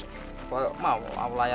ini yang harus dilakukan oleh rakyat